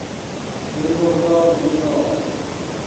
یو لوغدو من نینو